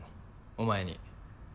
お前に。